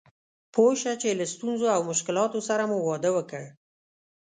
پوه شه چې له ستونزو او مشکلاتو سره مو واده وکړ.